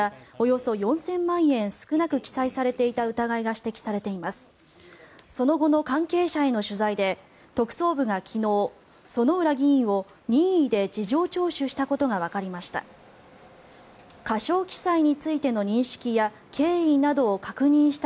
その後の関係者への取材で特捜部が昨日、薗浦議員を任意で事情聴取したことがわかりました。